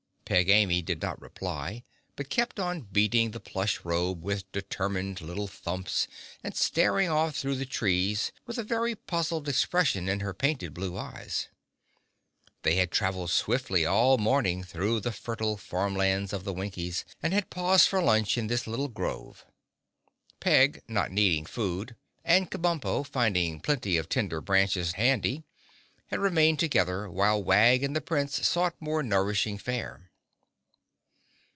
Peg Amy did not reply but kept on beating the plush robe with determined little thumps and staring off through the trees with a very puzzled expression in her painted blue eyes. They had traveled swiftly all morning through the fertile farmlands of the Winkies and had paused for lunch in this little grove. Peg, not needing food, and Kabumpo, finding plenty of tender branches handy, had remained together while Wag and the Prince sought more nourishing fare.